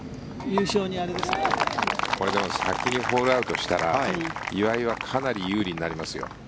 これ、でも先にホールアウトしたら岩井はかなり有利になりますよ。